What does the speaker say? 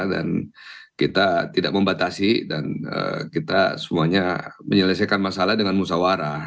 dan kita tidak membatasi dan kita semuanya menyelesaikan masalah dengan musawarah